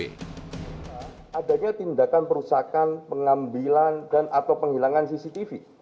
adanya tindakan perusakan pengambilan dan atau penghilangan cctv